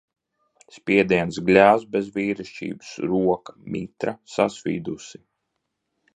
Spiediens gļēvs bez vīrišķības, roka mitra sasvīdusi.